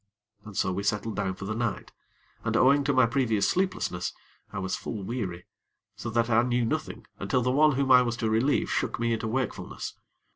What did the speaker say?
And so we settled down for the night, and owing to my previous sleeplessness, I was full weary, so that I knew nothing until the one whom I was to relieve shook me into wakefulness.